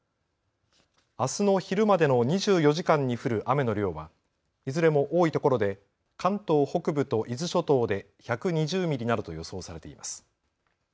あすの昼までの２４時間に降る雨の量はいずれも多いところで関東北部と伊豆諸島で１２０ミリなどと予想されています。